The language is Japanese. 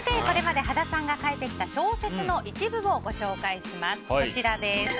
これまで羽田さんが書いてきた小説の一部をご紹介します。